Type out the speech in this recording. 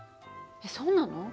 えっそうなの？